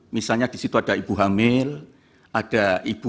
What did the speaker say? misalnya di situ ada ibu hamil ada ibu